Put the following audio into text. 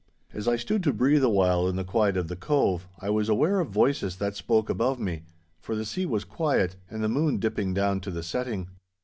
As I stood to breathe a while in the quiet of the cove, I was aware of voices that spoke above me, for the sea was quiet and the moon dipping down to the setting.